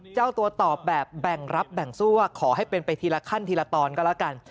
เจ้าตัวตอบแบบแบ่งรับแบ่งสู้ขอให้เป็นไปทีละขั้นทีละตอนก็แล้วกัน